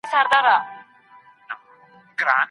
موږ په خپل ژوند کي ډېره نېکمرغي ليدلې ده.